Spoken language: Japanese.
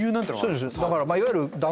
そうです。